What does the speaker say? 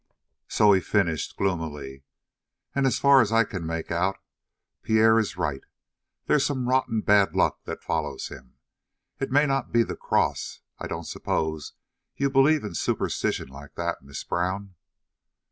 So he finished gloomily: "And as far as I can make out, Pierre is right. There's some rotten bad luck that follows him. It may not be the cross I don't suppose you believe in superstition like that, Miss Brown?"